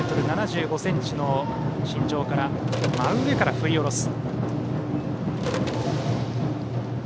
１ｍ７５ｃｍの身長から真上から振り下ろす。